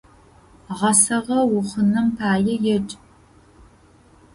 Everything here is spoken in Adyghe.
Гъэсагъэ ухъуным пае едж!